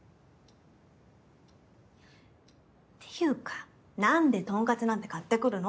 ていうか何で豚カツなんて買ってくるの？